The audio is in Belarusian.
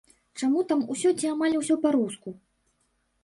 Чаму там усё ці амаль усё па-руску?